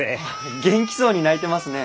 元気そうに泣いてますね。